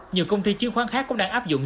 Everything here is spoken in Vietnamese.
nhiều công ty chứng khoán khác cũng đang áp dụng